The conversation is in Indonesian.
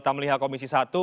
tamliha komisi satu